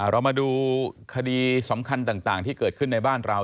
เรามาดูคดีสำคัญต่างที่เกิดขึ้นในบ้านเรา